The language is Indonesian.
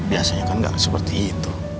biasanya kan nggak seperti itu